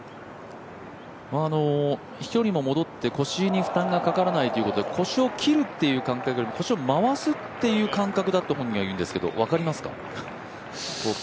飛距離も戻って、腰に負担がかからないということで、腰を切るという感覚よりも腰を回すという感覚だと本人は言うんですけど、分かりますか？